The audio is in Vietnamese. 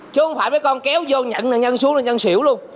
chứ không phải mấy con kéo vô nhận nạn nhân xuống là nạn nhân xỉu luôn